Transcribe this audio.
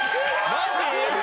マジ！？